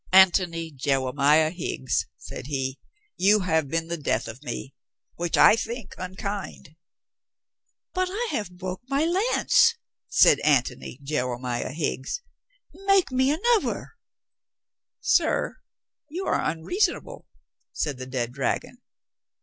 "Antony Jewemiah Higgs," said he, "you have been the death of me. Which I think unkind." "But I have bwoke my lance," said Antony Jewe miah Higgs. "Make me anuvver." 472 COLONEL GREATHEART "Sir, you are unreasonable," said the dead dragon.